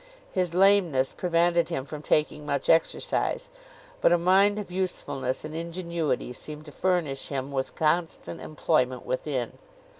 His lameness prevented him from taking much exercise; but a mind of usefulness and ingenuity seemed to furnish him with constant employment within.